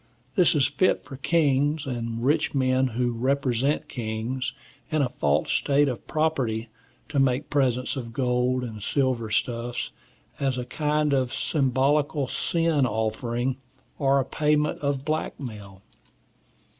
This is fit for kings, and rich men who represent kings, and a false state of property, to make presents of gold and silver stuffs, as a kind of symbolical sin offering, or payment of blackmail.